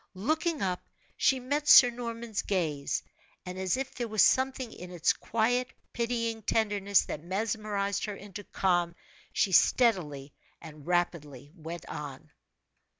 Looking up she met Sir Norman's gaze, and as if there was something in its quiet, pitying tenderness that mesmerized her into calm, she steadily and rapidly went on.